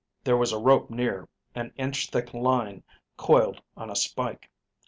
There was a rope near, and inch thick line coiled on a spike.